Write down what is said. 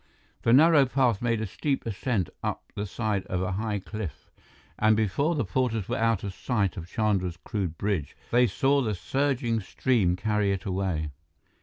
The narrow path made a steep ascent up the side of a high cliff, and before the porters were out of sight of Chandra's crude bridge, they saw the surging stream carry it away.